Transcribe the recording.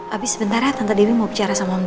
abis sebentar ya tante dewi mau bicara sama om dokter